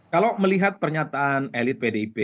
kalau melihat pernyataan elit pdip